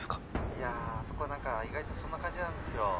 いやあそこはなんか意外とそんな感じなんですよ。